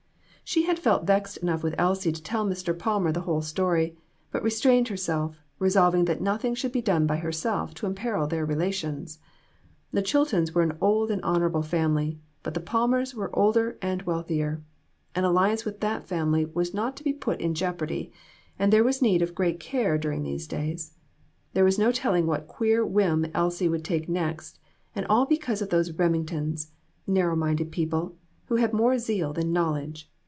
She had felt vexed enough with Elsie to tell Mr. Palmer the whole story, but restrained her self, resolving that nothing should be done by herself to imperil their relations. The Chiltons were an old and honorable family, but the Palm ers were older and wealthier. An alliance with that family was not to be put in jeopardy, and there was need of great care during these days. There was no telling what queer whim Elsie would take next, and all because of those Reming tons narrow minded people who had more zeal than knowledge.